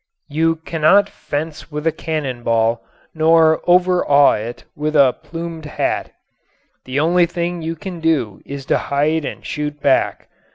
You cannot fence with a cannon ball nor overawe it with a plumed hat. The only thing you can do is to hide and shoot back.